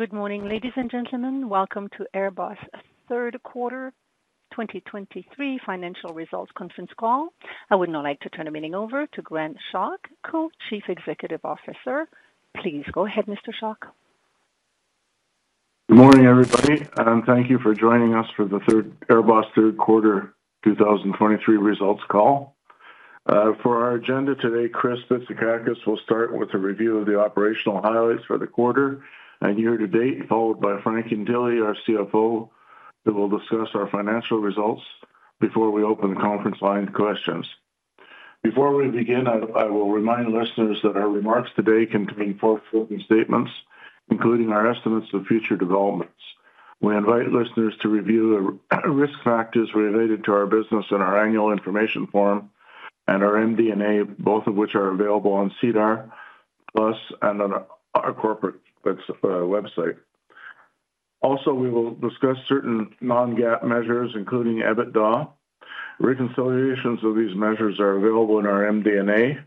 Good morning, ladies and gentlemen. Welcome to AirBoss Q3 2023 financial results conference call. I would now like to turn the meeting over to Gren Schoch, Co-Chief Executive Officer. Please go ahead, Mr. Schoch. Good morning, everybody, and thank you for joining us for the AirBoss Q3 2023 results call. For our agenda today, Chris Bitsakakis will start with a review of the operational highlights for the quarter and year-to-date, followed by Frank Ientile, our CFO, who will discuss our financial results before we open the conference line to questions. Before we begin, I, I will remind listeners that our remarks today contain forward-looking statements, including our estimates of future developments. We invite listeners to review the risk factors related to our business and our annual information form and our MD&A, both of which are available on SEDAR+ and on our corporate website. Also, we will discuss certain non-GAAP measures, including EBITDA. Reconciliations of these measures are available in our MD&A.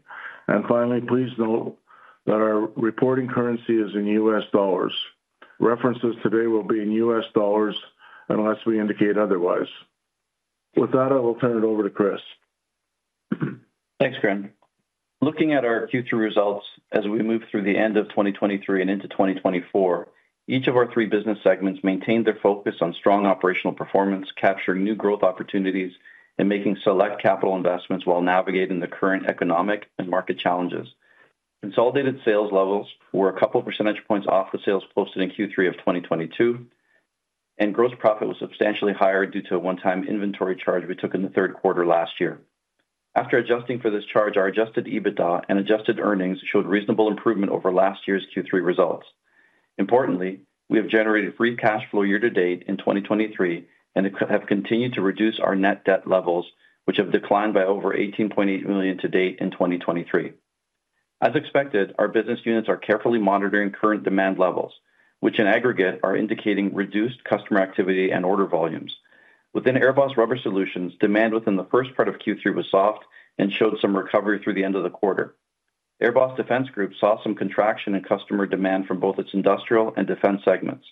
And finally, please note that our reporting currency is in U.S. dollars. References today will be in U.S. dollars unless we indicate otherwise. With that, I will turn it over to Chris. Thanks, Gren. Looking at our Q3 results as we move through the end of 2023 and into 2024, each of our three business segments maintained their focus on strong operational performance, capturing new growth opportunities, and making select capital investments while navigating the current economic and market challenges. Consolidated sales levels were a couple percentage points off with sales posted in Q3 of 2022, and gross profit was substantially higher due to a one-time inventory charge we took in the Q3 last year. After adjusting for this charge, our adjusted EBITDA and adjusted earnings showed reasonable improvement over last year's Q3 results. Importantly, we have generated free cash flow year to date in 2023, and have continued to reduce our net debt levels, which have declined by over $18.8 million to date in 2023. As expected, our business units are carefully monitoring current demand levels, which in aggregate are indicating reduced customer activity and order volumes. Within AirBoss Rubber Solutions, demand within the first part of Q3 was soft and showed some recovery through the end of the quarter. AirBoss Defense Group saw some contraction in customer demand from both its industrial and defense segments.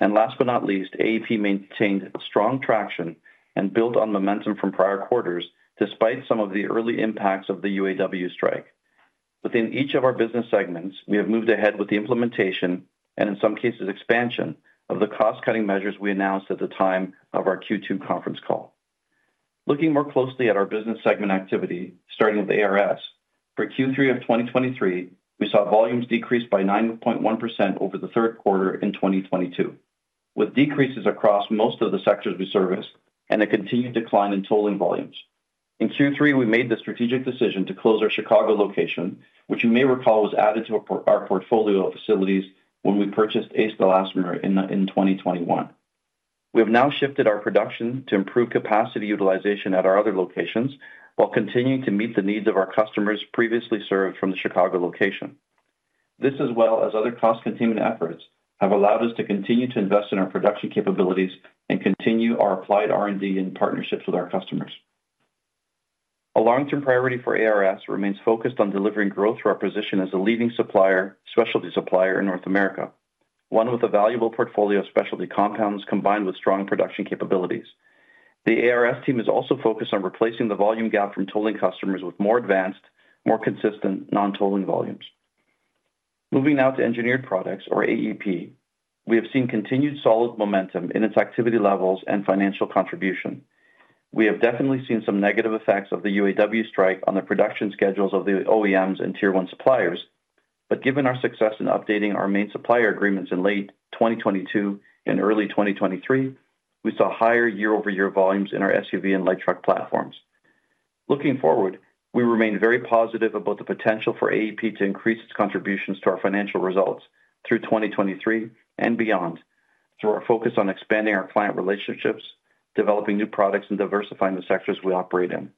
And last but not least, AEP maintained strong traction and built on momentum from prior quarters, despite some of the early impacts of the UAW strike. Within each of our business segments, we have moved ahead with the implementation, and in some cases, expansion, of the cost-cutting measures we announced at the time of our Q2 conference call. Looking more closely at our business segment activity, starting with ARS, for Q3 of 2023, we saw volumes decrease by 9.1% over the Q3 in 2022, with decreases across most of the sectors we service and a continued decline in tolling volumes. In Q3, we made the strategic decision to close our Chicago location, which you may recall was added to our portfolio of facilities when we purchased Ace Elastomer in 2021. We have now shifted our production to improve capacity utilization at our other locations, while continuing to meet the needs of our customers previously served from the Chicago location. This, as well as other cost containment efforts, have allowed us to continue to invest in our production capabilities and continue our applied R&D in partnerships with our customers. A long-term priority for ARS remains focused on delivering growth through our position as a leading supplier, specialty supplier in North America, one with a valuable portfolio of specialty compounds combined with strong production capabilities. The ARS team is also focused on replacing the volume gap from tolling customers with more advanced, more consistent non-tolling volumes. Moving now to Engineered Products, or AEP, we have seen continued solid momentum in its activity levels and financial contribution. We have definitely seen some negative effects of the UAW strike on the production schedules of the OEMs and Tier 1 suppliers, but given our success in updating our main supplier agreements in late 2022 and early 2023, we saw higher year-over-year volumes in our SUV and light truck platforms. Looking forward, we remain very positive about the potential for AEP to increase its contributions to our financial results through 2023 and beyond, through our focus on expanding our client relationships, developing new products, and diversifying the sectors we operate in.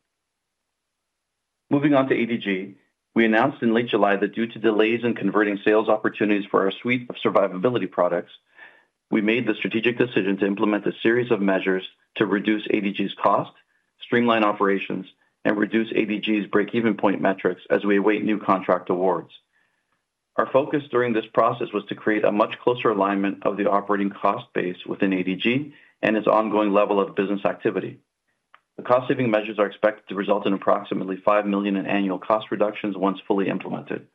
Moving on to ADG, we announced in late July that due to delays in converting sales opportunities for our suite of survivability products, we made the strategic decision to implement a series of measures to reduce ADG's costs, streamline operations, and reduce ADG's breakeven point metrics as we await new contract awards. Our focus during this process was to create a much closer alignment of the operating cost base within ADG and its ongoing level of business activity. The cost-saving measures are expected to result in approximately $5 million in annual cost reductions once fully implemented.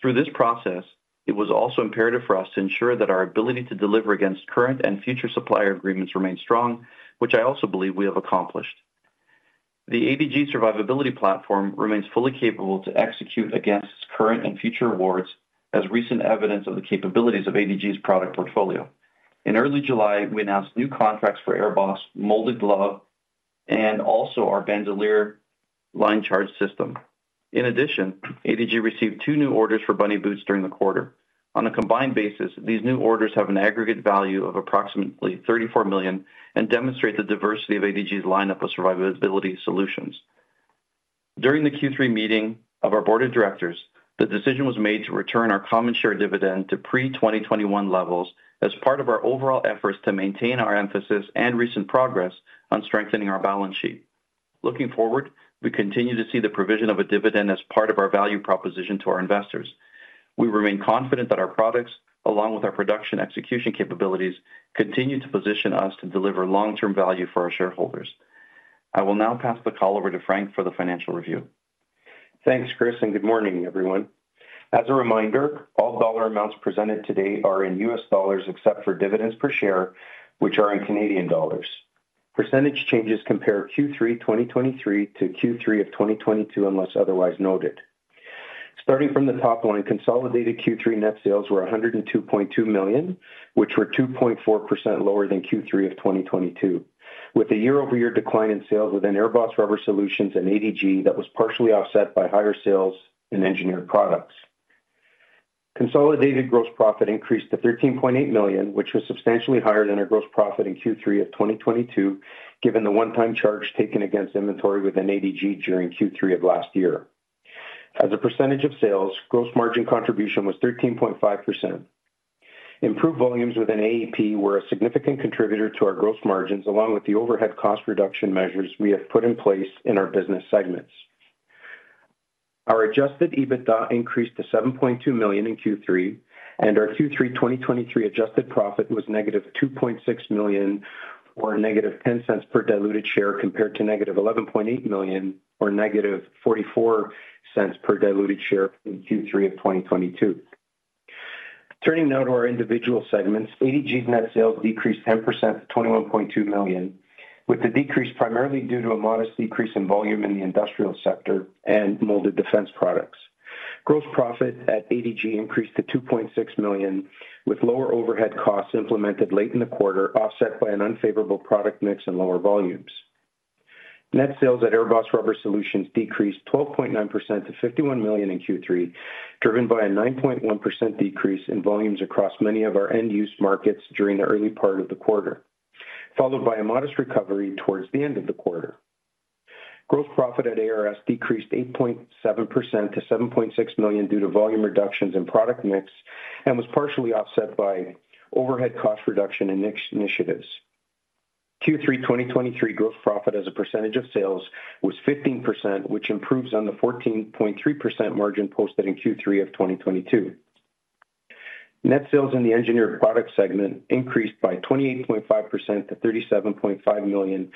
Through this process, it was also imperative for us to ensure that our ability to deliver against current and future supplier agreements remain strong, which I also believe we have accomplished. The ADG survivability platform remains fully capable to execute against current and future awards, as recent evidence of the capabilities of ADG's product portfolio. In early July, we announced new contracts for AirBoss Molded Glove and also our Bandolier Line Charge System. In addition, ADG received two new orders for Bunny Boots during the quarter. On a combined basis, these new orders have an aggregate value of approximately $34 million and demonstrate the diversity of ADG's lineup of survivability solutions. During the Q3 meeting of our board of directors, the decision was made to return our common share dividend to pre-2021 levels as part of our overall efforts to maintain our emphasis and recent progress on strengthening our balance sheet. Looking forward, we continue to see the provision of a dividend as part of our value proposition to our investors. We remain confident that our products, along with our production execution capabilities, continue to position us to deliver long-term value for our shareholders. I will now pass the call over to Frank for the financial review. Thanks, Chris, and good morning, everyone. As a reminder, all dollar amounts presented today are in U.S. dollars, except for dividends per share, which are in Canadian dollars. Percentage changes compare Q3 2023 to Q3 2022, unless otherwise noted. Starting from the top line, consolidated Q3 net sales were $102.2 million, which were 2.4% lower than Q3 of 2022, with a year-over-year decline in sales within AirBoss Rubber Solutions and ADG that was partially offset by higher sales in engineered products. Consolidated gross profit increased to $13.8 million, which was substantially higher than our gross profit in Q3 of 2022, given the one-time charge taken against inventory within ADG during Q3 of last year. As a percentage of sales, gross margin contribution was 13.5%. Improved volumes within AEP were a significant contributor to our gross margin, along with the overhead cost reduction measures we have put in place in our business segments. Our adjusted EBITDA increased to $7.2 million in Q3, and our Q3 2023 adjusted profit was -$2.6 million, or -$0.10 per diluted share, compared to -$11.8 million or -$0.44 per diluted share in Q3 of 2022. Turning now to our individual segments. ADG's net sales decreased 10% to $21.2 million, with the decrease primarily due to a modest decrease in volume in the industrial sector and molded defense products. Gross profit at ADG increased to $2.6 million, with lower overhead costs implemented late in the quarter, offset by an unfavorable product mix and lower volumes. Net sales at AirBoss Rubber Solutions decreased 12.9% to $51 million in Q3, driven by a 9.1% decrease in volumes across many of our end-use markets during the early part of the quarter, followed by a modest recovery towards the end of the quarter. Gross profit at ARS decreased 8.7% to $7.6 million due to volume reductions and product mix and was partially offset by overhead cost reduction initiatives. Q3 2023 gross profit as a percentage of sales was 15%, which improves on the 14.3% margin posted in Q3 of 2022. Net sales in the Engineered Products segment increased by 28.5% to $37.5 million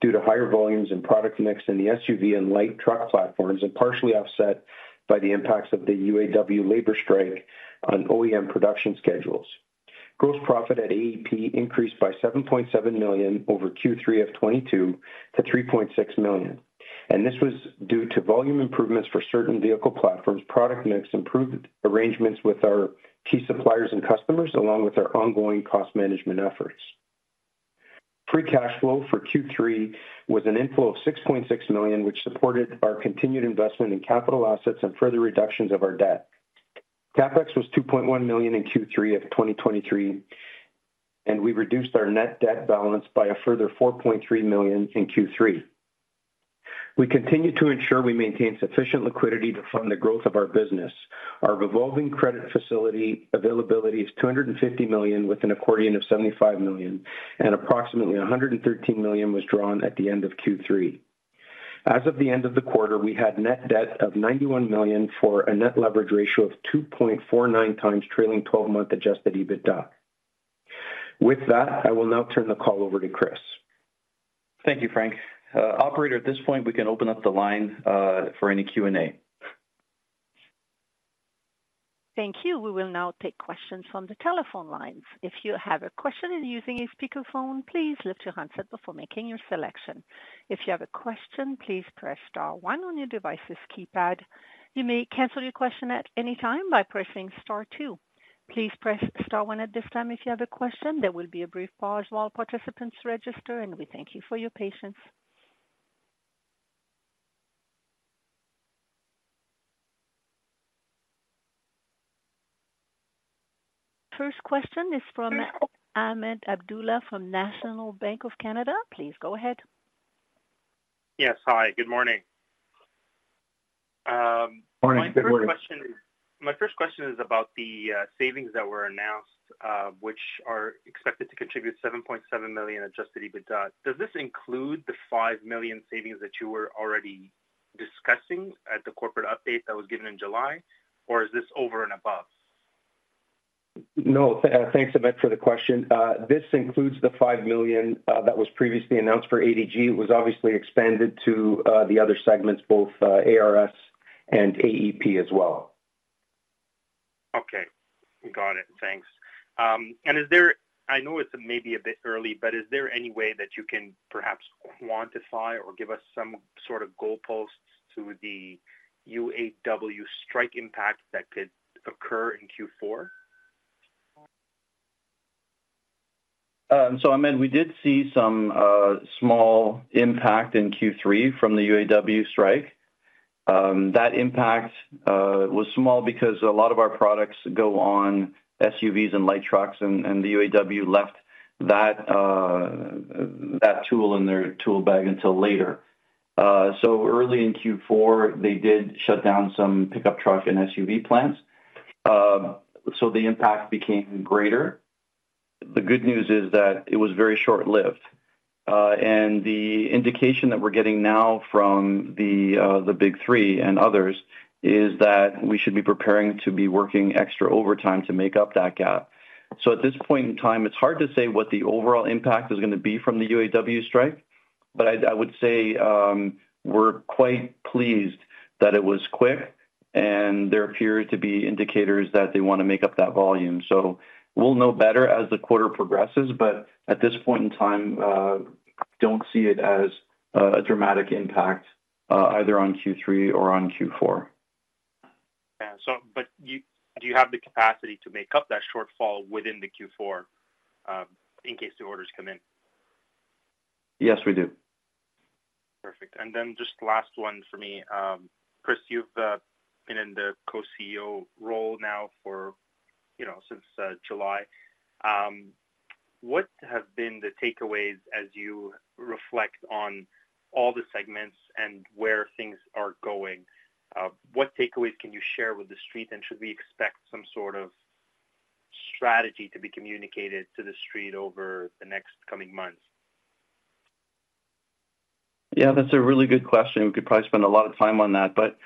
due to higher volumes in product mix in the SUV and light truck platforms, and partially offset by the impacts of the UAW labor strike on OEM production schedules. Gross profit at AEP increased by $7.7 million over Q3 2022 to $3.6 million, and this was due to volume improvements for certain vehicle platforms, product mix, improved arrangements with our key suppliers and customers, along with our ongoing cost management efforts. Free cash flow for Q3 was an inflow of $6.6 million, which supported our continued investment in capital assets and further reductions of our debt. CapEx was $2.1 million in Q3 2023, and we reduced our net debt balance by a further $4.3 million in Q3. We continue to ensure we maintain sufficient liquidity to fund the growth of our business. Our revolving credit facility availability is $250 million, with an accordion of $75 million, and approximately $113 million was drawn at the end of Q3. As of the end of the quarter, we had net debt of $91 million, for a net leverage ratio of 2.49x trailing twelve-month adjusted EBITDA. With that, I will now turn the call over to Chris. Thank you, Frank. Operator, at this point, we can open up the line for any Q&A. Thank you. We will now take questions from the telephone lines. If you have a question and are using a speakerphone, please lift your handset before making your selection. If you have a question, please press star one on your device's keypad. You may cancel your question at any time by pressing star two. Please press star one at this time if you have a question. There will be a brief pause while participants register, and we thank you for your patience. First question is from Ahmed Abdullah from National Bank of Canada. Please go ahead. Yes. Hi, good morning. Good morning. My first question is about the savings that were announced, which are expected to contribute $7.7 million adjusted EBITDA. Does this include the $5 million savings that you were already discussing at the corporate update that was given in July, or is this over and above? No. Thanks, Ahmed, for the question. This includes the $5 million that was previously announced for ADG. It was obviously expanded to the other segments, both ARS and AEP as well. Okay. Got it. Thanks. And is there? I know it's maybe a bit early, but is there any way that you can perhaps quantify or give us some sort of goalposts to the UAW strike impact that could occur in Q4? So, Ahmed, we did see some small impact in Q3 from the UAW strike. That impact was small because a lot of our products go on SUVs and light trucks, and the UAW left that tool in their tool bag until later. So early in Q4, they did shut down some pickup truck and SUV plants, so the impact became greater. The good news is that it was very short-lived. And the indication that we're getting now from the Big Three and others is that we should be preparing to be work extra overtime to make up that gap. So at this point in time, it's hard to say what the overall impact is going to be from the UAW strike, but I, I would say, we're quite pleased that it was quick, and there appear to be indicators that they want to make up that volume. So we'll know better as the quarter progresses, but at this point in time, don't see it as a dramatic impact, either on Q3 or on Q4. Yeah. So, but do you have the capacity to make up that shortfall within the Q4, in case the orders come in? Yes, we do. Perfect. And then just last one for me. Chris, you've been in the co-CEO role now for, you know, since July. What have been the takeaways as you reflect on all the segments and where things are going? What takeaways can you share with the street, and should we expect some sort of strategy to be communicated to the street over the next coming months? Yeah, that's a really good question. We could probably spend a lot of time on that. But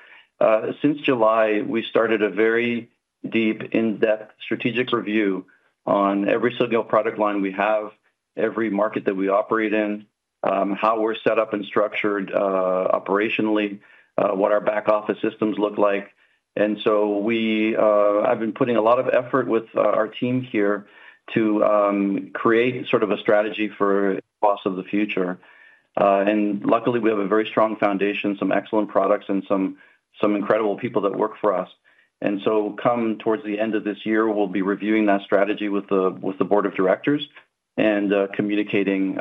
since July, we started a very deep, in-depth strategic review on every single product line we have, every market that we operate in, how we're set up and structured, operationally, what our back office systems look like. And so we, I've been putting a lot of effort with our team here to create sort of a strategy for AirBoss of the future. And luckily, we have a very strong foundation, some excellent products, and some incredible people that work for us. So come towards the end of this year, we'll be reviewing that strategy with the board of directors and communicating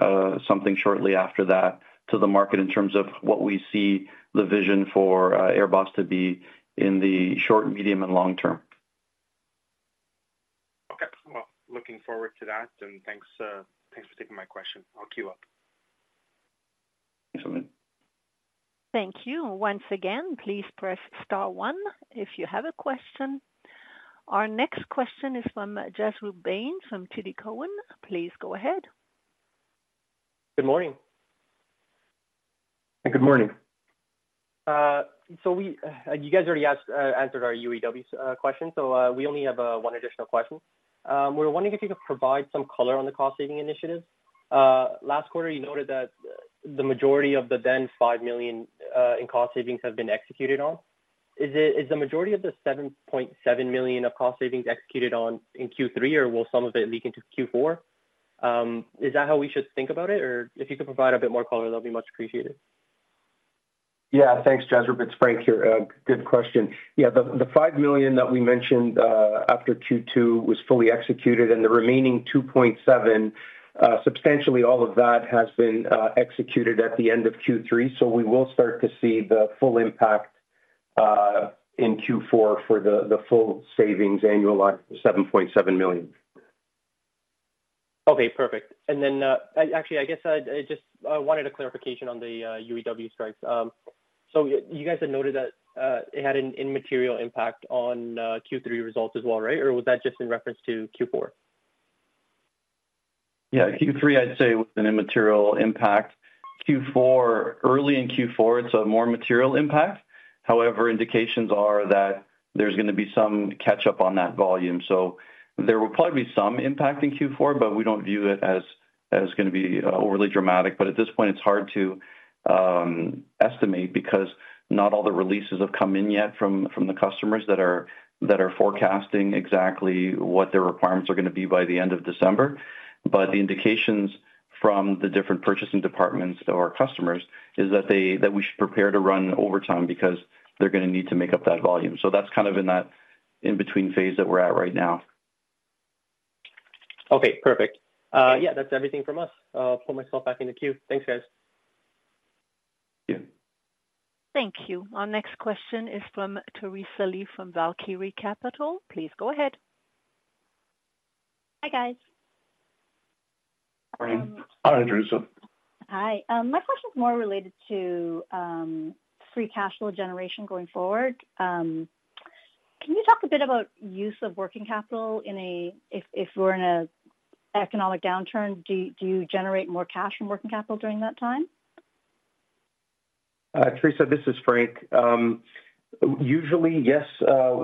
something shortly after that to the market in terms of what we see the vision for AirBoss to be in the short, medium, and long term. Okay. Well, looking forward to that, and thanks, thanks for taking my question. I'll queue up. Thanks, Ahmed. Thank you. Once again, please press star one if you have a question. Our next question is from Jaspreet Bains, from TD Cowen. Please go ahead. Good morning. Good morning. So, you guys already asked, answered our UAW question, so we only have one additional question. We're wondering if you could provide some color on the cost-saving initiative. Last quarter, you noted that the majority of the then $5 million in cost savings have been executed on. Is the majority of the $7.7 million of cost savings executed on in Q3, or will some of it leak into Q4? Is that how we should think about it? Or if you could provide a bit more color, that'll be much appreciated. Yeah. Thanks, Jaspreet. It's Frank here. Good question. Yeah, the $5 million that we mentioned after Q2 was fully executed, and the remaining 2.7, substantially all of that has been executed at the end of Q3. So we will start to see the full impact in Q4 for the full savings annualized for $7.7 million. Okay, perfect. And then, actually, I guess I just wanted a clarification on the UAW strikes. So you guys had noted that it had an immaterial impact on Q3 results as well, right? Or was that just in reference to Q4? Yeah, Q3, I'd say, was an immaterial impact. Q4, early in Q4, it's a more material impact. However, indications are that there's going to be some catch-up on that volume, so there will probably be some impact in Q4, but we don't view it as, as going to be overly dramatic. But at this point, it's hard to estimate because not all the releases have come in yet from, from the customers that are, that are forecasting exactly what their requirements are going to be by the end of December. But the indications from the different purchasing departments of our customers is that they, that we should prepare to run overtime because they're going to need to make up that volume. So that's kind of in that in-between phase that we're at right now. Okay, perfect. Yeah, that's everything from us. I'll pull myself back in the queue. Thanks, guys. Yeah. Thank you. Our next question is from Teresa Lee, from Valkyrie Capital. Please go ahead. Hi, guys. Morning. Hi, Teresa. Hi. My question is more related to free cash flow generation going forward. Can you talk a bit about use of working capital if we're in an economic downturn? Do you generate more cash from working capital during that time? Teresa, this is Frank. Usually, yes,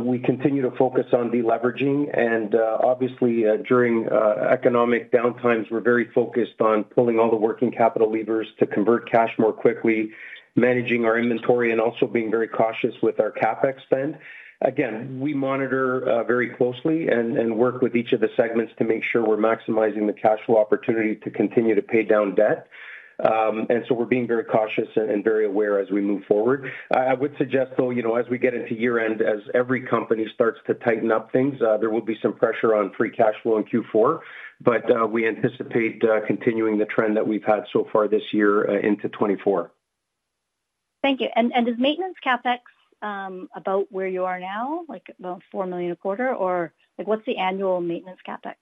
we continue to focus on deleveraging, and obviously, during economic downtimes, we're very focused on pulling all the working capital levers to convert cash more quickly, managing our inventory, and also being very cautious with our CapEx spend. Again, we monitor very closely and work with each of the segments to make sure we're maximizing the cash flow opportunity to continue to pay down debt. And so we're being very cautious and very aware as we move forward. I would suggest, though, you know, as we get into year-end, as every company starts to tighten up things, there will be some pressure on free cash flow in Q4, but we anticipate continuing the trend that we've had so far this year into 2024. Thank you. Is maintenance CapEx about where you are now, like about $4 million a quarter, or like, what's the annual maintenance CapEx?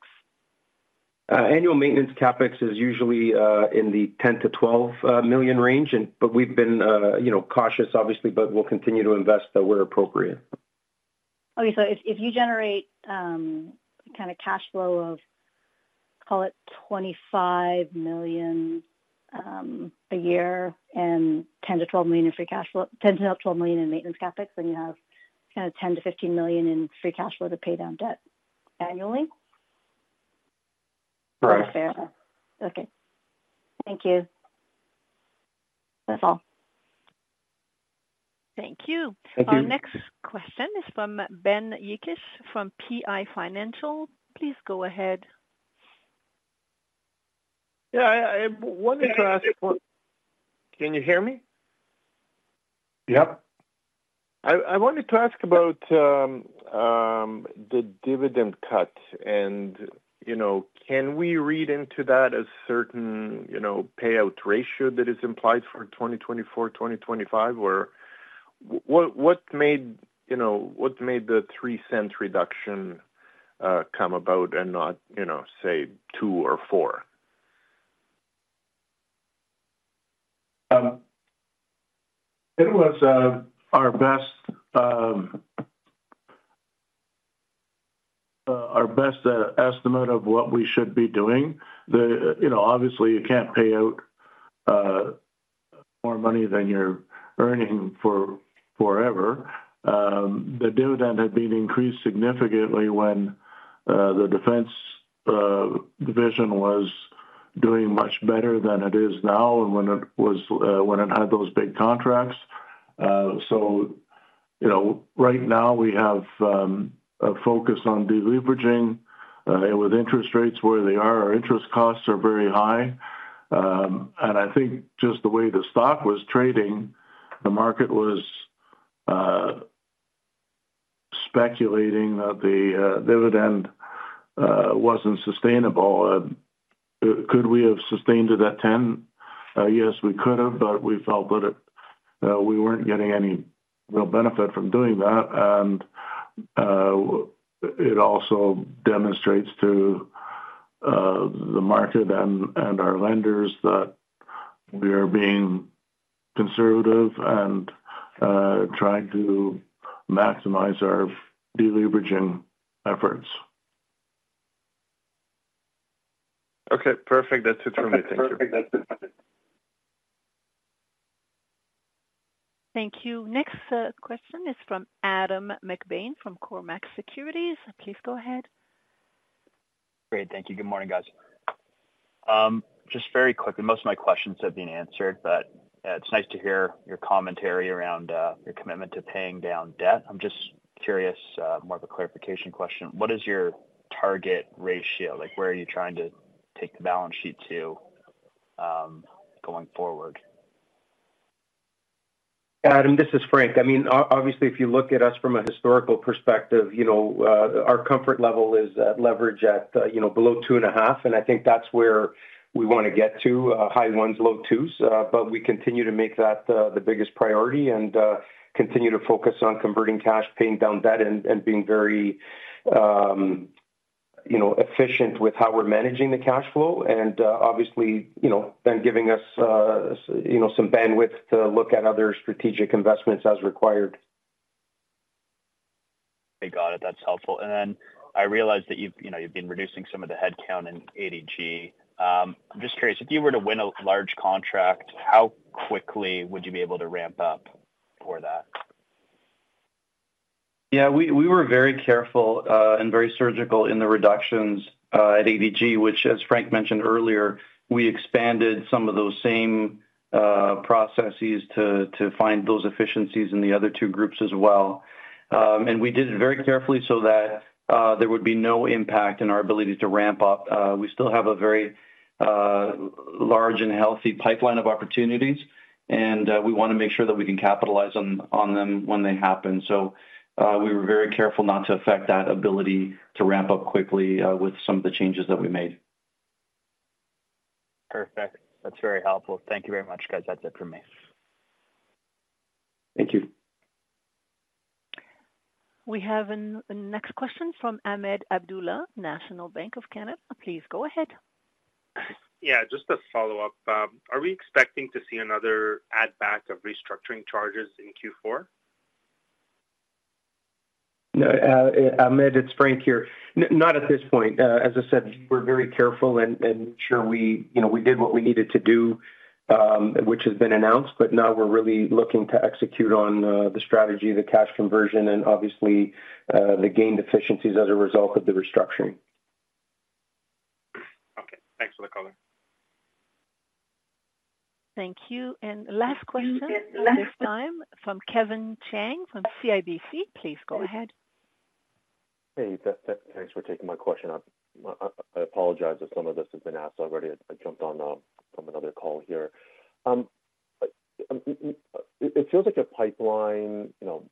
Annual maintenance CapEx is usually in the $10 million to $12 million range, and but we've been, you know, cautious, obviously, but we'll continue to invest where appropriate.... Okay, so if you generate kind of cash flow of, call it $25 million a year and $10 million to $12 million in free cash flow, $10 million to $12 million in maintenance CapEx, then you have kind of $10 million to $15 million in free cash flow to pay down debt annually? Correct. Fair enough. Okay. Thank you. That's all. Thank you. Thank you. Our next question is from Ben Jekic from PI Financial. Please go ahead. Yeah, I, I wanted to ask one. Can you hear me? Yep. I wanted to ask about the dividend cut and, you know, can we read into that a certain, you know, payout ratio that is implied for 2024-2025? Or what, what made, you know, what made the 0.03 reduction come about and not, you know, say, 0.02 or 0.04? It was our best estimate of what we should be doing. You know, obviously you can't pay out more money than you're earning for forever. The dividend had been increased significantly when the defense division was doing much better than it is now and when it had those big contracts. So, you know, right now we have a focus on deleveraging. With interest rates where they are, our interest costs are very high. And I think just the way the stock was trading, the market was speculating that the dividend wasn't sustainable. And could we have sustained it at 10? Yes, we could have, but we felt that we weren't getting any real benefit from doing that.It also demonstrates to the market and our lenders that we are being conservative and trying to maximize our deleveraging efforts. Okay, perfect. That's it for me. Thank you. Perfect. That's it. Thank you. Next, question is from Adam McBain, from Cormark Securities. Please go ahead. Great. Thank you. Good morning, guys. Just very quickly, most of my questions have been answered, but it's nice to hear your commentary around your commitment to paying down debt. I'm just curious, more of a clarification question, what is your target ratio? Like, where are you trying to take the balance sheet to, going forward? Adam, this is Frank. I mean, obviously, if you look at us from a historical perspective, you know, our comfort level is at leverage at, you know, below 2.5x, and I think that's where we want to get to -high 1x, low 2x. But we continue to make that the biggest priority and continue to focus on converting cash, paying down debt, and being very, you know, efficient with how we're managing the cash flow. Obviously, you know, then giving us, you know, some bandwidth to look at other strategic investments as required. I got it. That's helpful. And then I realize that you've, you know, you've been reducing some of the headcount in ADG. I'm just curious, if you were to win a large contract, how quickly would you be able to ramp up for that? Yeah, we were very careful and very surgical in the reductions at ADG, which, as Frank mentioned earlier, we expanded some of those same processes to find those efficiencies in the other two groups as well. And we did it very carefully so that there would be no impact in our ability to ramp up. We still have a very large and healthy pipeline of opportunities, and we wanna make sure that we can capitalize on them when they happen. So, we were very careful not to affect that ability to ramp up quickly with some of the changes that we made. Perfect. That's very helpful. Thank you very much, guys. That's it for me. Thank you. We have next question from Ahmed Abdullah, National Bank of Canada. Please go ahead. Yeah, just a follow-up. Are we expecting to see another add back of restructuring charges in Q4? No, Ahmed, it's Frank here. Not at this point. As I said, we're very careful and ensure we, you know, we did what we needed to do, which has been announced, but now we're really looking to execute on the strategy, the cash conversion, and obviously the gained efficiencies as a result of the restructuring. Okay, thanks for the call. Thank you. And last question at this time from Kevin Chiang from CIBC. Please go ahead. Hey, thanks for taking my question. I apologize if some of this has been asked already. I jumped on from another call here. It feels like your pipeline, you know,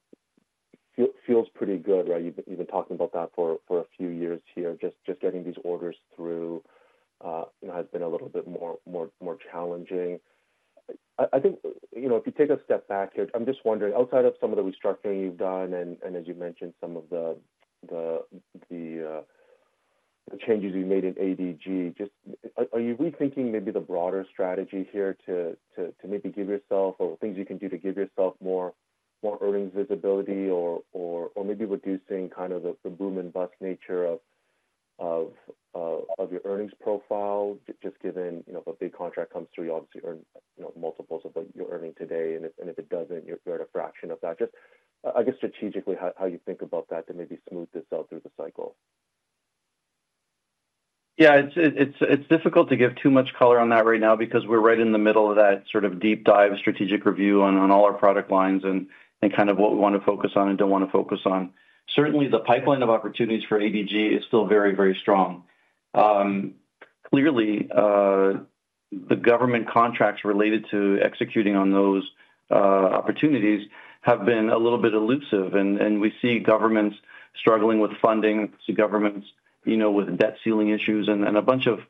feels pretty good, right? You've been talking about that for a few years here. Just getting these orders through has been a little bit more challenging. I think, you know, if you take a step back here, I'm just wondering, outside of some of the restructuring you've done, and as you mentioned, some of the... The changes you made in ADG, just, are you rethinking maybe the broader strategy here to maybe give yourself, or things you can do to give yourself more earnings visibility or maybe reducing kind of the boom and bust nature of your earnings profile, just given, you know, if a big contract comes through, you obviously earn, you know, multiples of what you're earning today, and if it doesn't, you're at a fraction of that. Just, I guess strategically, how you think about that to maybe smooth this out through the cycle? Yeah, it's difficult to give too much color on that right now because we're right in the middle of that sort of deep dive strategic review on all our product lines and kind of what we wanna focus on and don't wanna focus on. Certainly, the pipeline of opportunities for ADG is still very, very strong. Clearly, the government contracts related to executing on those opportunities have been a little bit elusive, and we see governments struggling with funding, you know, with debt ceiling issues and a bunch of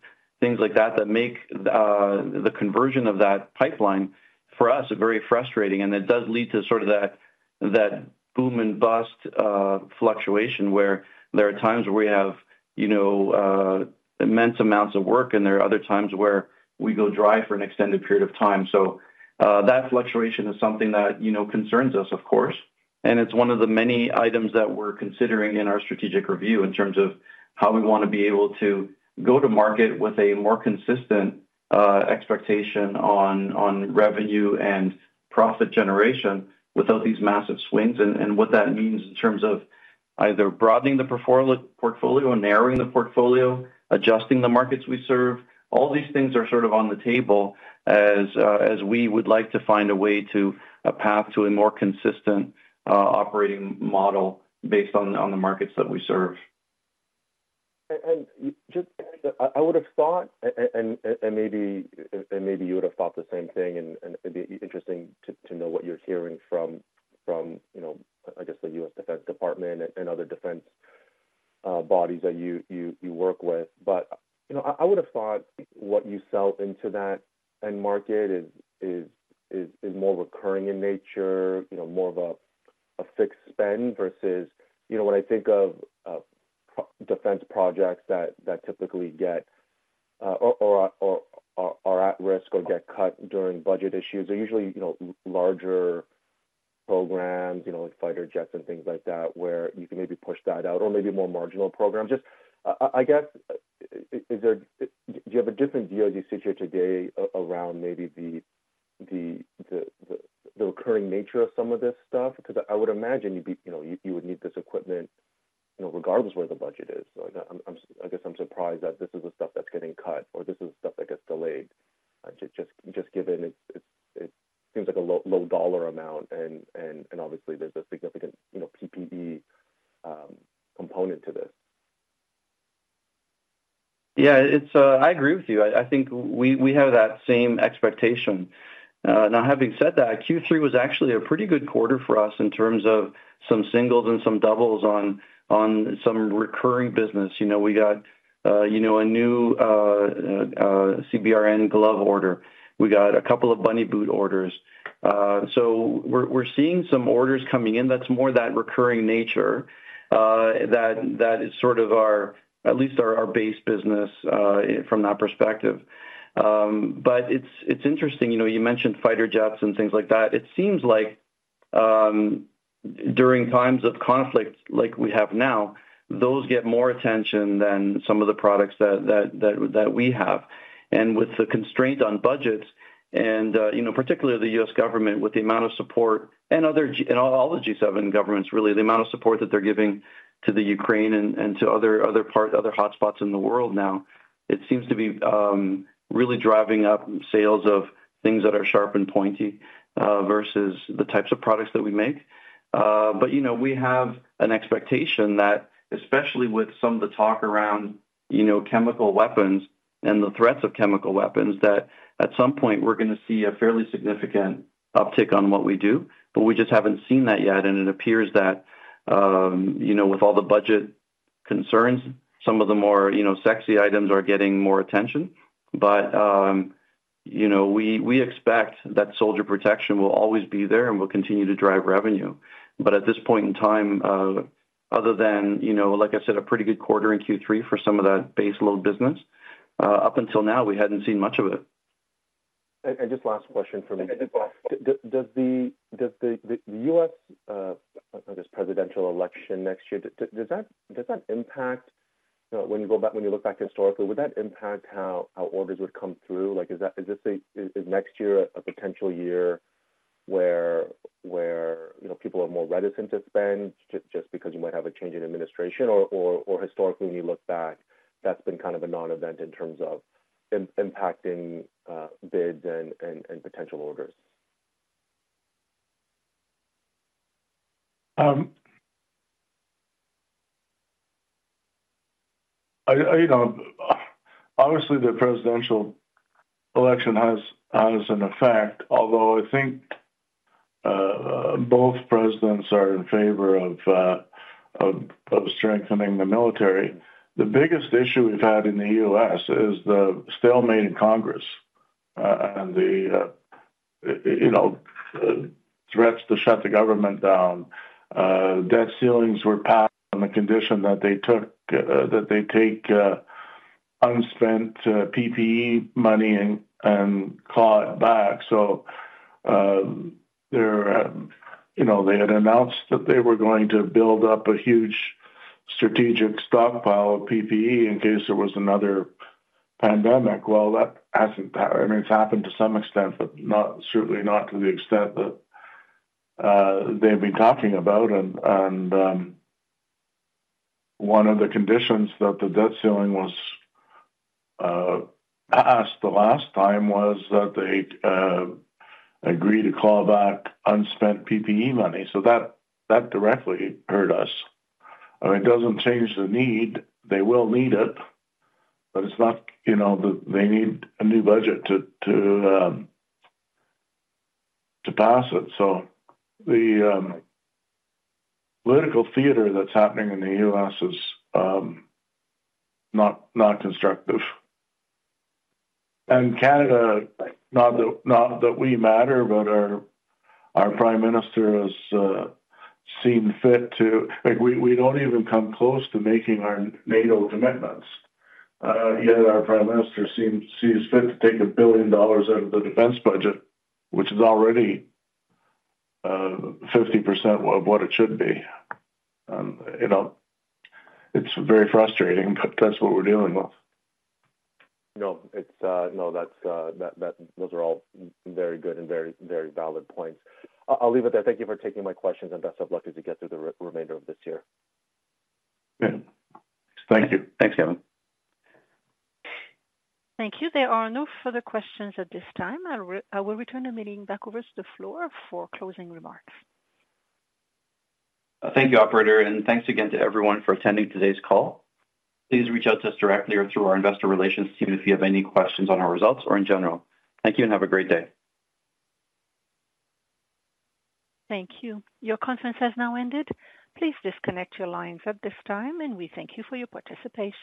things like that, that make the conversion of that pipeline, for us, very frustrating. It does lead to sort of that boom and bust fluctuation, where there are times where we have, you know, immense amounts of work, and there are other times where we go dry for an extended period of time. So, that fluctuation is something that, you know, concerns us, of course, and it's one of the many items that we're considering in our strategic review in terms of how we wanna be able to go to market with a more consistent expectation on revenue and profit generation without these massive swings. And what that means in terms of either broadening the portfolio or narrowing the portfolio, adjusting the markets we serve. All these things are sort of on the table as, as we would like to find a way to a path to a more consistent, operating model based on, on the markets that we serve. Just, I would have thought, and maybe you would have thought the same thing, and it'd be interesting to know what you're hearing from, you know, I guess, the U.S. Defense Department and other defense bodies that you work with. But, you know, I would have thought what you sell into that end market is more recurring in nature, you know, more of a fixed spend versus, you know, when I think of defense projects that typically get or are at risk or get cut during budget issues, they're usually, you know, larger programs, you know, like fighter jets and things like that, where you can maybe push that out or maybe more marginal programs. Just, I guess, is there a different view as you sit here today around maybe the recurring nature of some of this stuff? Because I would imagine you'd be, you know, you would need this equipment, you know, regardless of where the budget is. So, I guess I'm surprised that this is the stuff that's getting cut, or this is the stuff that gets delayed, just given it seems like a low dollar amount, and obviously there's a significant, you know, PPE component to this. Yeah, it's, I agree with you. I, I think we, we have that same expectation. Now, having said that, Q3 was actually a pretty good quarter for us in terms of some singles and some doubles on some recurring business. You know, we got a new CBRN glove order. We got a couple of Bunny Boot orders. So we're, we're seeing some orders coming in that's more of that recurring nature, that, that is sort of our, at least our, our base business, from that perspective. But it's, it's interesting, you know, you mentioned fighter jets and things like that. It seems like, during times of conflict, like we have now, those get more attention than some of the products that we have. With the constraint on budgets and, you know, particularly the U.S. government, with the amount of support and other G7 governments, really, the amount of support that they're giving to the Ukraine and to other hotspots in the world now, it seems to be really driving up sales of things that are sharp and pointy versus the types of products that we make. But, you know, we have an expectation that especially with some of the talk around, you know, chemical weapons and the threats of chemical weapons, that at some point we're gonna see a fairly significant uptick on what we do, but we just haven't seen that yet. And it appears that, you know, with all the budget concerns, some of the more, you know, sexy items are getting more attention. But, you know, we expect that soldier protection will always be there and will continue to drive revenue. But at this point in time, other than, you know, like I said, a pretty good quarter in Q3 for some of that base load business, up until now, we hadn't seen much of it. Just last question for me. Does the U.S. this presidential election next year, does that impact, when you go back—when you look back historically, would that impact how orders would come through? Like, is next year a potential year where, you know, people are more reticent to spend just because you might have a change in administration? Or historically, when you look back, that's been kind of a non-event in terms of impacting bids and potential orders? I, you know, obviously, the presidential election has an effect, although I think both presidents are in favor of strengthening the military. The biggest issue we've had in the U.S. is the stalemate in Congress and the, you know, threats to shut the government down. Debt ceilings were passed on the condition that they take unspent PPE money and call it back. So, they're, you know, they had announced that they were going to build up a huge strategic stockpile of PPE in case there was another pandemic. Well, that hasn't happened. I mean, it's happened to some extent, but not, certainly not to the extent that they've been talking about. One of the conditions that the debt ceiling was passed the last time was that they'd agree to call back unspent PPE money. So that directly hurt us. I mean, it doesn't change the need. They will need it, but it's not, you know, they need a new budget to pass it. So the political theater that's happening in the U.S. is not constructive. And Canada, not that we matter, but our Prime Minister has seen fit to... Like, we don't even come close to making our NATO commitments. Yet our Prime Minister sees fit to take 1 billion dollars out of the defense budget, which is already 50% of what it should be. You know, it's very frustrating, but that's what we're dealing with. No, it's. No, that's that those are all very good and very, very valid points. I'll leave it there. Thank you for taking my questions, and best of luck as you get through the remainder of this year. Good. Thank you. Thanks, Kevin. Thank you. There are no further questions at this time. I will return the meeting back over to the floor for closing remarks. Thank you, operator, and thanks again to everyone for attending today's call. Please reach out to us directly or through our investor relations team if you have any questions on our results or in general. Thank you, and have a great day. Thank you. Your conference has now ended. Please disconnect your lines at this time, and we thank you for your participation.